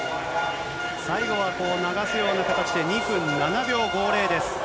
最後は流すような形で、２分７秒５０です。